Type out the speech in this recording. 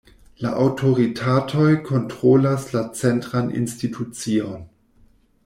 La aŭtoritatoj kontrolas la centran institucion.